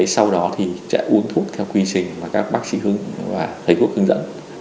sau đó thì chạy uống thuốc theo quy trình mà các bác sĩ và thầy quốc hướng dẫn